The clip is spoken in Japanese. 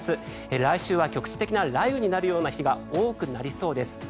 来週は局地的な雷雨になるような日が多くなりそうです。